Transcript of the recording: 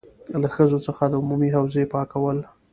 له ښځو څخه د عمومي حوزې پاکول.